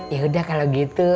yaudah kalo gitu